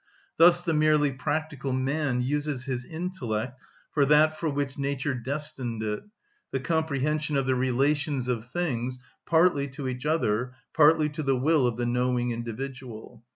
Thus the merely practical man uses his intellect for that for which nature destined it, the comprehension of the relations of things, partly to each other, partly to the will of the knowing individual.